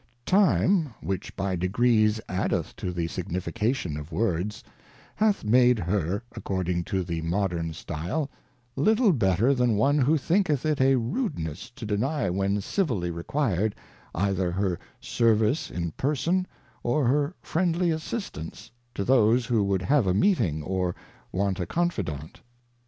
Time, which by degrees addeth to the signification of Words, hath made her, according to the Modern Stile, little better than one who thinketh it a Rudeness to deny when civilly required, either her Service in Person, or her friendly Assistance, to those who would have a meeting, or want a Confident.